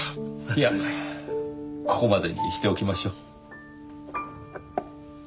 いやここまでにしておきましょう。